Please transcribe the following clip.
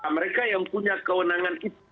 mereka yang punya kewenangan itu